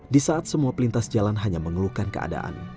di saat semua pelintas jalan hanya mengeluhkan keadaan